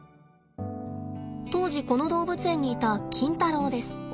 当時この動物園にいたキンタロウです。